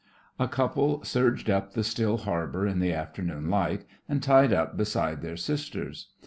A couple surged up the still harbour in the afternoon light and tied up beside their sisters.